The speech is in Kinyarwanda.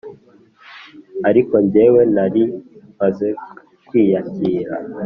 ariko njyewe nari maze kwiyakira